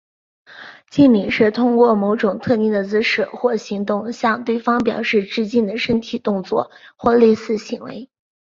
敬礼是通过某种特定的姿势或行动向对方表示致敬的身体动作或类似行为。